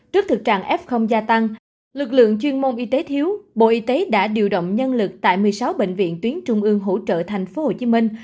trước thực trạng f gia tăng lực lượng chuyên môn y tế thiếu bộ y tế đã điều động nhân lực tại một mươi sáu bệnh viện tuyến trung ương hỗ trợ thành phố hồ chí minh